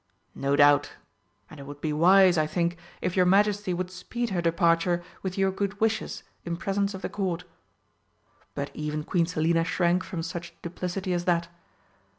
"No doubt. And it would be wise, I think, if your Majesty would speed her departure with your good wishes in presence of the Court." But even Queen Selina shrank from such duplicity as that.